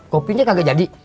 kopinya kagak jadi